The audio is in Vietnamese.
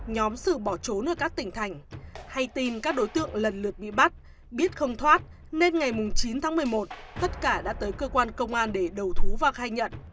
nhóm sử bỏ trốn ở các tỉnh thành hay tin các đối tượng lần lượt bị bắt biết không thoát nên ngày chín tháng một mươi một tất cả đã tới cơ quan công an để đầu thú và khai nhận